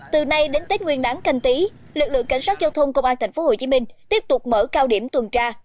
từ nay đến tết nguyên đáng canh tí lực lượng cảnh sát giao thông công an tp hcm tiếp tục mở cao điểm tuần tra